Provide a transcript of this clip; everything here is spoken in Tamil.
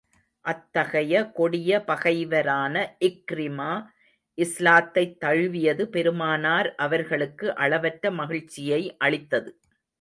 அத்தகைய கொடிய பகைவரான இக்ரிமா இஸ்லாத்தைத் தழுவியது பெருமானார் அவர்களுக்கு அளவற்ற மகிழ்ச்சியை அளித்தது.